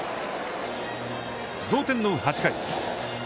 同点の８回。